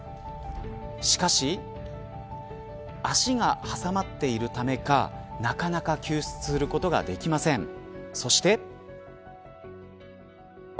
しかし足が挟まっているためかなかなか救出することができません。